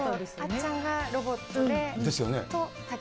ちゃんがロボットで。ですよね？